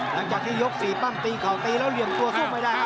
หลังจากที่ยก๔ปั้มตีเข่าตีแล้วเหลี่ยมตัวสู้ไม่ได้ครับ